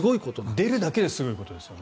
出るだけですごいことですよね。